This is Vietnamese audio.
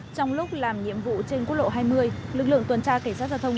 trong lúc làm nhiệm vụ trên quốc lộ hai mươi lực lượng tuần tra cảnh sát giao thông